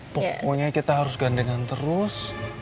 pokoknya kita harus gandengan terus